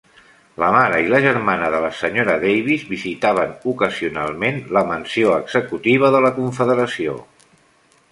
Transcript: La mare i la germana de la senyora Davis visitaven ocasionalment la mansió executiva de la Confederació.